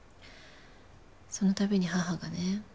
その度に母がね